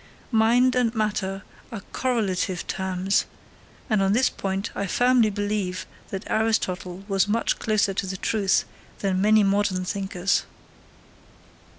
Mind and matter are correlative terms; and, on this point, I firmly believe that Aristotle was much closer to the truth than many modern thinkers.